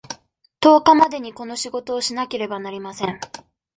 十日までにこの仕事をしなければなりません。